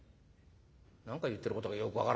「何か言ってることがよく分からねえ。